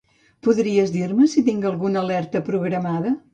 Podries dir-me si tinc alguna alerta programada?